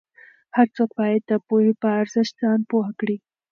هر څوک باید د پوهې په ارزښت ځان پوه کړي.